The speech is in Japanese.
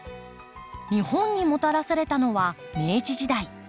日本にもたらされたのは明治時代。